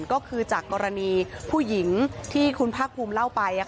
ก็คือจากกรณีผู้หญิงที่คุณภาคภูมิเล่าไป